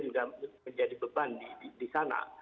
juga menjadi beban di sana